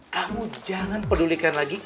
kamu jangan pedulikan lagi